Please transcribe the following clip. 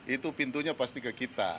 itu pintunya pasti ke kita